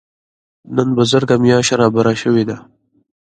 نن بزرګه مياشت رادبره شوې ده.